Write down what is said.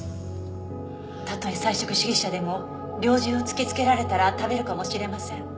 たとえ菜食主義者でも猟銃を突き付けられたら食べるかもしれません。